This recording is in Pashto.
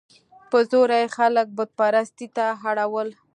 په زوره یې خلک بت پرستۍ ته اړول.